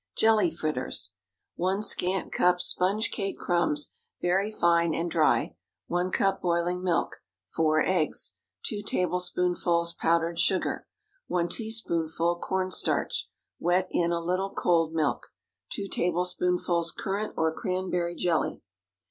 JELLY FRITTERS. 1 scant cup sponge cake crumbs—very fine and dry. 1 cup boiling milk. 4 eggs. 2 tablespoonfuls powdered sugar. 1 teaspoonful corn starch, wet in a little cold milk. 2 tablespoonfuls currant or cranberry jelly.